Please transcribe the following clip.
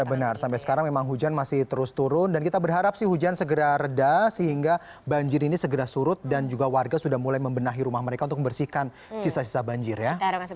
ya benar sampai sekarang memang hujan masih terus turun dan kita berharap sih hujan segera reda sehingga banjir ini segera surut dan juga warga sudah mulai membenahi rumah mereka untuk membersihkan sisa sisa banjir ya